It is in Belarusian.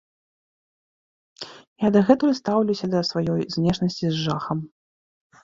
Я дагэтуль стаўлюся да сваёй знешнасці з жахам.